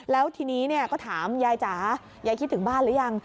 แล้วทีนี้ก็ถามยายจ๋ายายคิดถึงบ้านหรือยัง